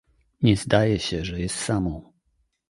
Nie, zdaje się, że jest samą.